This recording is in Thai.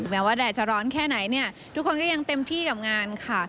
แม้ว่าแดดจะร้อนแค่ไหนเนี่ยทุกคนก็ยังเต็มที่กับงานค่ะ